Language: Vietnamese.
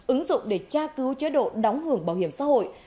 ứng dụng để tra cứu chế độ đóng hưởng bảo hiểm xã hội